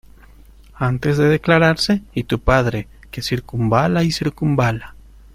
antes de declararse, y tu padre , que circunvala y circunvala